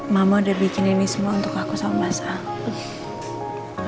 mama udah bikin ini semua untuk aku selama lamanya